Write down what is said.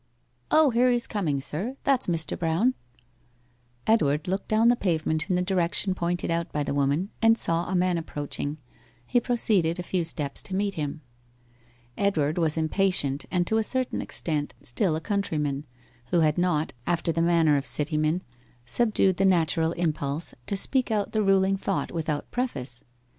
O, here he is coming, sir. That's Mr. Brown.' Edward looked down the pavement in the direction pointed out by the woman, and saw a man approaching. He proceeded a few steps to meet him. Edward was impatient, and to a certain extent still a countryman, who had not, after the manner of city men, subdued the natural impulse to speak out the ruling thought without preface.